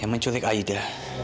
yang menculik aida